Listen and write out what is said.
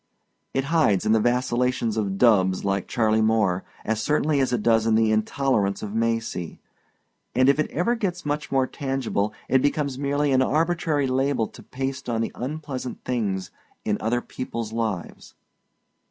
It hides in the vacillations of dubs like Charley Moore as certainly as it does in the intolerance of Macy, and if it ever gets much more tangible it becomes merely an arbitrary label to paste on the unpleasant things in other people's lives.